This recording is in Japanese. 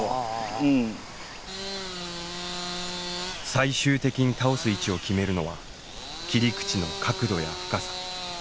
最終的に倒す位置を決めるのは切り口の角度や深さ。